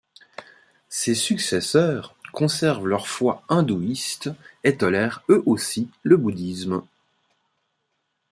Ses successeurs, conservent leur foi hindouiste et tolèrent eux aussi le bouddhisme.